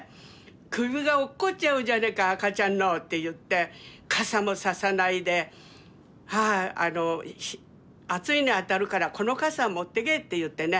「首が落っこっちゃうじゃねえか赤ちゃんの」って言って「傘も差さないで暑いの当たるからこの傘持ってけ」って言ってね